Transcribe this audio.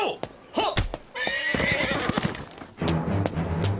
はっ！